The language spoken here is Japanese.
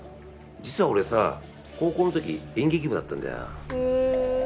実は俺さ高校のとき演劇部だったんだよ。